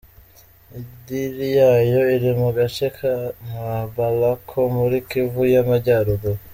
Indiri yayo iri mu gace ka Mabalako muri Kivu y'amajyaruguru.